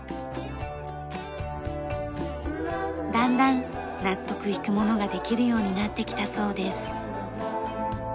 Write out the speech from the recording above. だんだん納得いくものができるようになってきたそうです。